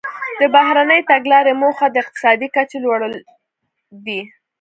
د بهرنۍ تګلارې موخه د اقتصادي کچې لوړول دي